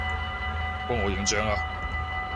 幫我影張吖